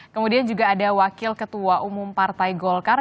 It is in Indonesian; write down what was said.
kemudian juga ada wakil ketua umum partai golkar